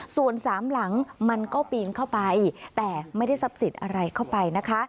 ส่วนสามหลังมันก็ปีนเข้าไปแต่ไม่ได้ทรัพย์สินอะไรเข้าไปนะคะ